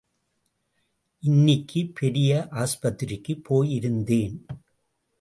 இன்னிக்கி பெரிய ஆஸ்பத்திரிக்கு போயிருந்தேன்.